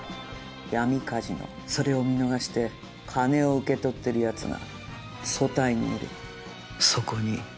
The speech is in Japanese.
闇カジノ、それを見逃して金を受け取っているやつが組対にいる。